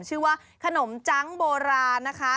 ชื่อว่าขนมจังโบราณนะคะ